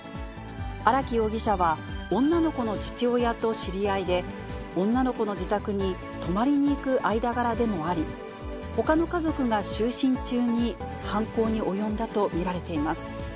荒木容疑者は女の子の父親と知り合いで、女の子の自宅に泊まりに行く間柄でもあり、ほかの家族が就寝中に、犯行に及んだと見られています。